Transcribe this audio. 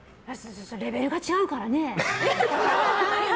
レベルが違うからね。